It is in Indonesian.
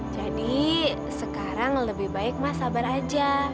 jadi sekarang lebih baik mas sabar aja